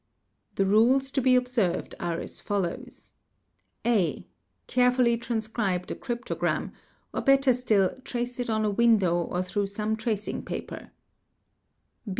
The rules to be observed are as follows :—| (a) Carefully transcribe the cryptogram, or better still trace it on a window or through some tracing paper.